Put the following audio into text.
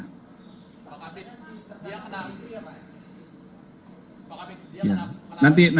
pak habib dia kenal itu ya pak ya